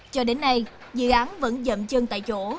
cho đến nay dự án vẫn dậm chân tại chỗ